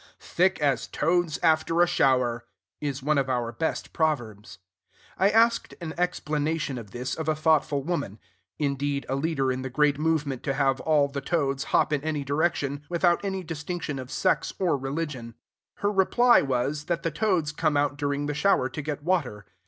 "Thick as toads after a shower," is one of our best proverbs. I asked an explanation 'of this of a thoughtful woman, indeed, a leader in the great movement to have all the toads hop in any direction, without any distinction of sex or religion. Her reply was, that the toads come out during the shower to get water.